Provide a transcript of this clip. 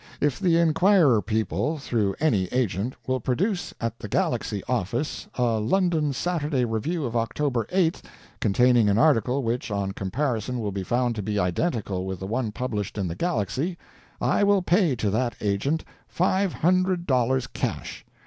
If the _Enquirer _people, through any agent, will produce at The Galaxy office a London Saturday Review of October 8th, containing an article which, on comparison, will be found to be identical with the one published in The Galaxy, I will pay to that agent five hundred dollars cash.